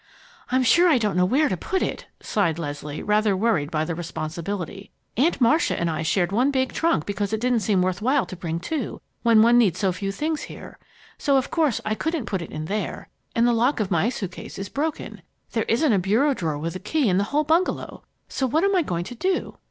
"I'm sure I don't know where to put it!" sighed Leslie, rather worried by the responsibility. "Aunt Marcia and I shared one big trunk because it didn't seem worth while to bring two, when one needs so few things here. So of course I couldn't put it in there, and the lock of my suitcase is broken. There isn't a bureau drawer with a key in the whole bungalow so what am I going to do?"